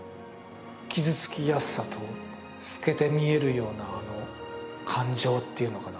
傷つきやすさと透けて見えるようなあの感情っていうのかな